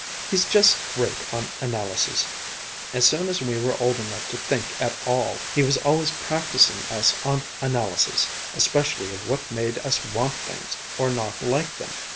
He's just great on analysis. As soon as we were old enough to think at all, he was always practising us on analysis especially of what made us want things, or not like them.